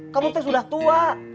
kamu ten sudah tua